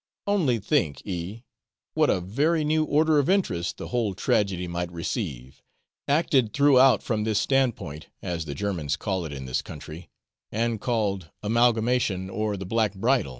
Only think, E , what a very new order of interest the whole tragedy might receive, acted throughout from this standpoint, as the Germans call it in this country, and called 'Amalgamation, or the Black Bridal.'